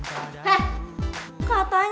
udah di coordin